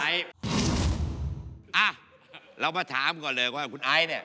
อ่ะเรามาถามก่อนเลยว่าคุณไอซ์เนี่ย